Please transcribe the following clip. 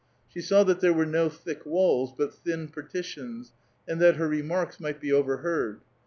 She saw that there were no thiek walls, but thin partitious, and that her remarks nu<j:lit be overheard.